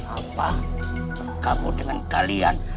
apa bergabung dengan kalian